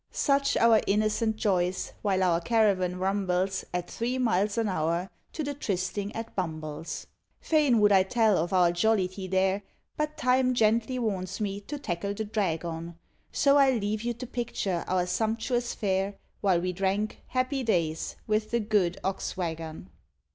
Such our innocent joys while our caravan rumbles At three miles an hour, to the trysting at "Bumble's." Fain would I tell of our jollity there, But time gently warns me to tackle the drag on, So I leave you to picture our sumptuous fare While we drank, "Happy days with a good Ox wagon."